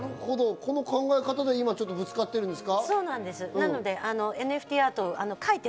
その考え方で今ぶつかってるんですか？